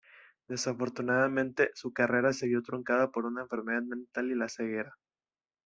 Desafortunadamente, su carrera se vio truncada por una enfermedad mental y la ceguera.